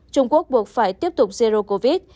trung quốc buộc phải tiếp tục zero covid